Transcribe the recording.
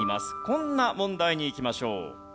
こんな問題にいきましょう。